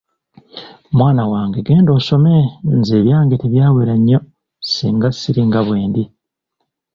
Mwana wange genda osome nze ebyange tebyawera nnyo singa siringa bwendi.